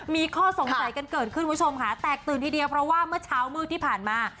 มีข้อสงสัยกันเกิดขึ้นคุณผู้ชมค่ะแตกตื่นทีเดียวเพราะว่าเมื่อเช้ามืดที่ผ่านมา